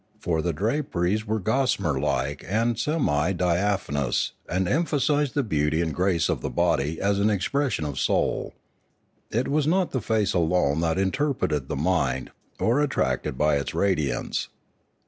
For the draperies were gossamer like and semi diapha nous and emphasised the beauty and grace of the body as an expression of soul. It was not the face alone that interpreted the mind, or attracted by its radiance.